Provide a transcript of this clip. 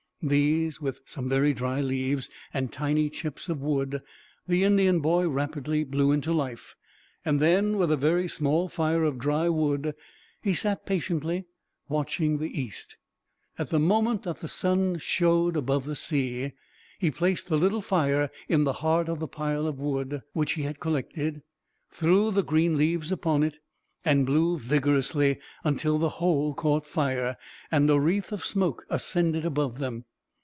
These, with some very dry leaves and tiny chips of wood, the Indian boy rapidly blew into life; and then, with a very small fire of dry wood, he sat patiently watching the east. At the moment that the sun showed above the sea, he placed the little fire in the heart of the pile of wood which he had collected, threw the green leaves upon it, and blew vigorously until the whole caught fire, and a wreath of smoke ascended above them.